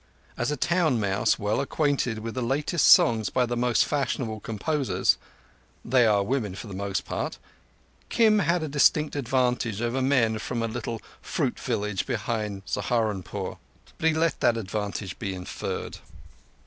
As a town mouse well acquainted with the latest songs by the most fashionable composers—they are women for the most part—Kim had a distinct advantage over men from a little fruit village behind Saharunpore, but he let that advantage be inferred.